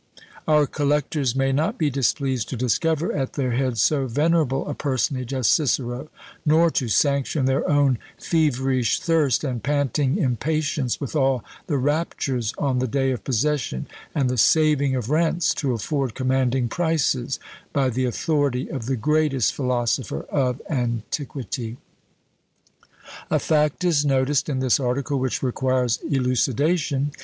Our collectors may not be displeased to discover at their head so venerable a personage as Cicero; nor to sanction their own feverish thirst and panting impatience with all the raptures on the day of possession, and the "saving of rents" to afford commanding prices by the authority of the greatest philosopher of antiquity. A fact is noticed in this article which requires elucidation.